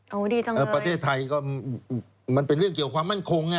โอ้โหดีจังเลยเออประเทศไทยก็มันเป็นเรื่องเกี่ยวความมั่นคงไง